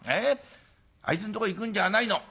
あいつんとこへ行くんじゃないの。